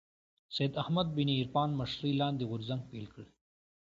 سید احمد بن عرفان مشرۍ لاندې غورځنګ پيل کړ